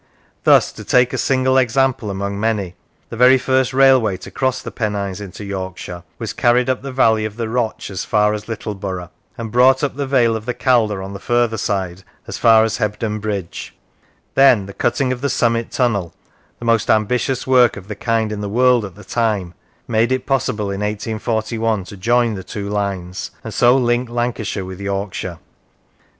Thus, to take a single example among many, the very first railway to cross the Pennines into Yorkshire was carried up the valley of the Roch as far as Littleborough, and brought up the vale of the Calder on the further side as far as Hebden Bridge; then the cutting of the Summit tunnel, the most ambitious work of the kind in the world at the time, made it possible in 1841 to join the two lines, and so link Lancashire with Yorkshire.